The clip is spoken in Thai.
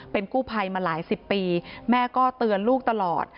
เป็นกู้ภัยมาหลายสิบปีแม่ก็เตือนลูกตลอด